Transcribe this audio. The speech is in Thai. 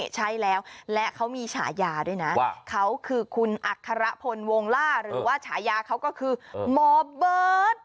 ใช่แล้วและเขามีฉายาด้วยนะเขาคือคุณอัครพลวงล่าหรือว่าฉายาเขาก็คือหมอเบิร์ต